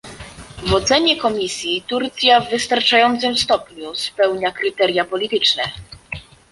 W ocenie Komisji Turcja w wystarczającym stopniu spełnia kryteria polityczne